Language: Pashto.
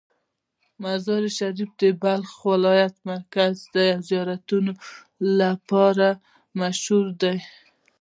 مزار شریف د بلخ ولایت مرکز دی او د زیارتونو لپاره مشهوره ده.